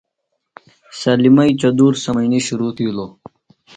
سلمئی چدُور سمئنی شرو تھِیلوۡ۔